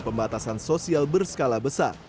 pembatasan sosial berskala besar